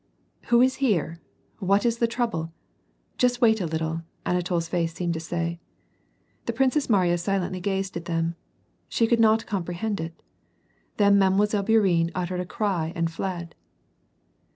" Who is here ? what is the trouble ? Just wait a little/' Anatol's face seemed to say. The Princess Mariya silently gazed at them. She could not comprehend it. Then Mile. Bourienne uttered a cry and fled.